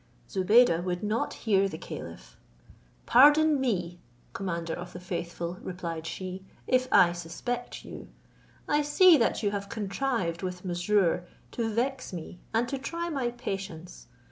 Zobeide would not hear the caliph. "Pardon me, commander of the faithful," replied she, "if I suspect you: I see that you have contrived with Mesrour to vex me, and to try my patience.